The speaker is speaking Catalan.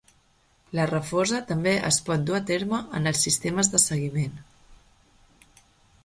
La refosa també es pot dur a terme en els sistemes de seguiment.